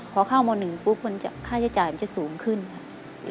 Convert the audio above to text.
พอเข้ามาวันหนึ่งปุ๊บค่าใช้จ่ายมันจะสูงขึ้นค่ะ